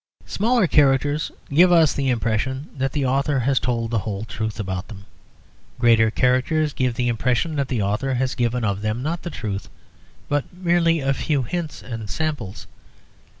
Smaller characters give us the impression that the author has told the whole truth about them, greater characters give the impression that the author has given of them, not the truth, but merely a few hints and samples.